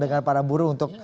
dengan para buruh untuk